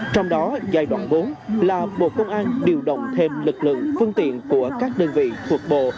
trong đó giai đoạn bốn là bộ công an điều động thêm lực lượng phương tiện của các đơn vị thuộc bộ